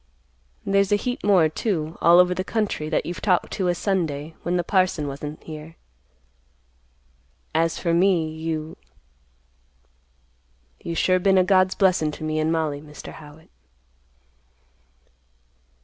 There's a heap more, too, all over the country that you've talked to a Sunday, when the parson wasn't here. As for me, you—you sure been a God's blessin' to me and Mollie, Mr. Howitt."